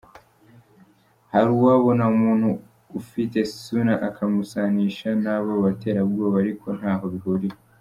Hari uwabona umuntu ufite “suna” akamusanisha n’abo baterabwoba ariko ntaho bihuriye.